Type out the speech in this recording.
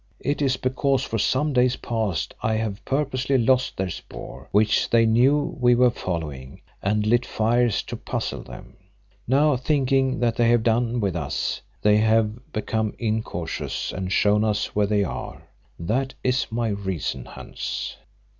It is because for some days past I have purposely lost their spoor, which they knew we were following, and lit fires to puzzle them. Now, thinking that they have done with us, they have become incautious and shown us where they are. That is my reason, Hans."